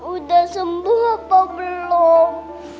udah sembuh apa belum